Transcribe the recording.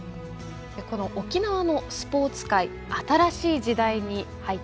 この沖縄のスポーツ界新しい時代に入っています。